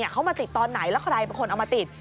เขามาติดตอนไหนแล้วใครเป็นคนเอามาติด